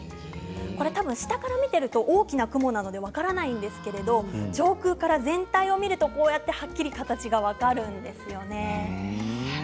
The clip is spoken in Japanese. これはたぶん下から見ていると大きな雲なので分からないんですけれども上空から全体を見るとこうやってはっきりと形が分かるんですよね。